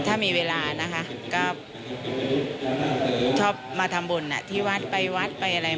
ถ้ามีเวลานะคะก็ชอบมาทำบุญที่วัดไปวัดไปอะไร